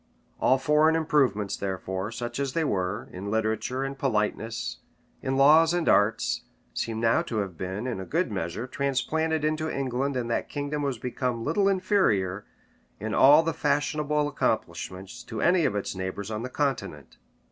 All foreign improvements, therefore, such as they were, in literature and politeness, in laws and arts, seem now to have been, in a good measure, transplanted into England and that kingdom was become little inferior, in all the fashionable accomplishments, to any of its neighbors on the continent.